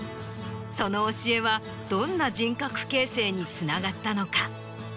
その教えはどんな人格形成につながったのか。